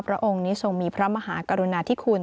องค์นี้ทรงมีพระมหากรุณาธิคุณ